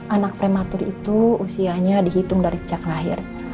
anak prematur itu usianya dihitung dari sejak lahir